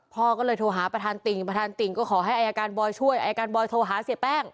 พ่อก็เลยโทรหาประธานติ่งประธานติ่งก็ขอให้อายการบอยช่วยอายการบอยโทรหาเสียแป้ง